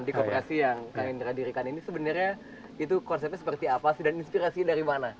di kooperasi yang indra dirikan ini sebenarnya konsepnya seperti apa dan inspirasi dari mana